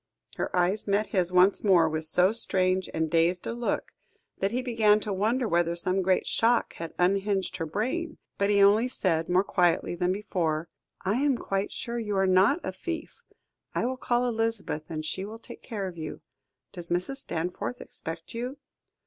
Her eyes met his once more, with so strange and dazed a look, that he began to wonder whether some great shock had unhinged her brain, but he only said, more quietly than before: "I am quite sure you are not a thief. I will call Elizabeth, and she will take care of you. Does Mrs. Stanforth expect you?"